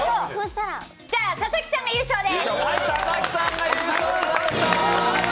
じゃあ、佐々木さんが優勝で！